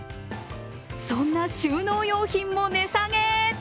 そんな収納用品も値下げ。